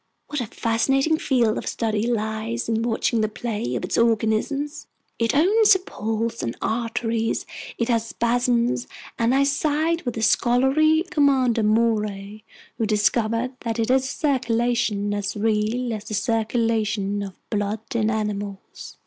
What a fascinating field of study lies in watching the play of its organism. It owns a pulse and arteries, it has spasms, and I side with the scholarly Commander Maury, who discovered that it has a circulation as real as the circulation of blood in animals."